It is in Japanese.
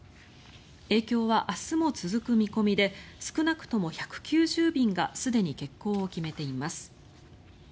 影響は明日も続く見込みで少なくとも１９０便がすでに欠航を決めています。